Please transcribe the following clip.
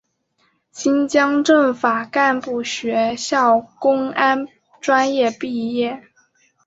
新疆政法干部学校公安专业毕业。